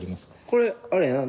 これあれやな？